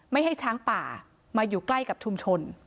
ไม่ให้ช้างป่ามาอยู่ใกล้กับชุมชน